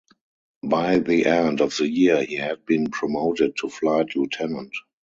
By the end of the year he had been promoted to flight lieutenant.